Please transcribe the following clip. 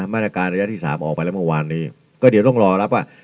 มาตรการระยะที่สามออกไปแล้วเมื่อวานนี้ก็เดี๋ยวต้องรอรับว่า